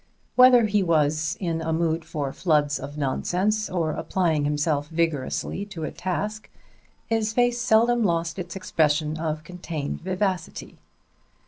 Whether he was in a mood for floods of nonsense or applying himself vigorously to a task, his face seldom lost its expression of contained vivacity.